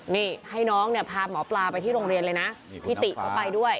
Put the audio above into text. นี่ให้น้องเนี่ยพาหมอปลาไปที่โรงเรียนเลยนะพี่ติก็ไปด้วย